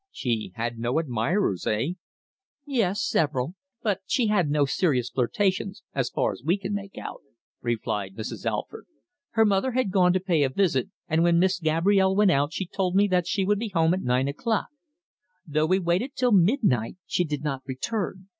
"She had no admirers eh?" "Yes, several. But she had no serious flirtations, as far as we can make out," replied Mrs. Alford. "Her mother had gone to pay a visit, and when Miss Gabrielle went out she told me that she would be home at nine o'clock. Though we waited till midnight she did not return.